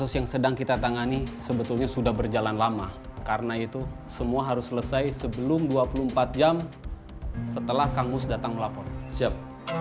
setelah kang mus datang melapor siap